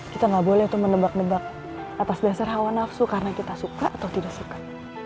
kita nggak boleh tuh menebak nebak atas dasar hawa nafsu karena kita suka atau tidak suka